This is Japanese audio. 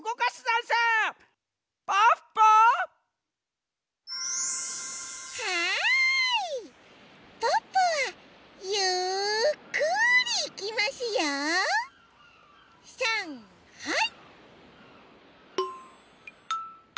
さんはい！